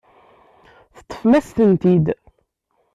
Teṭṭfem-as-tent-id.